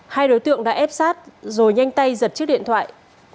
hai đối tượng đã ép sát rồi nhanh tay giật chiếc điện thoại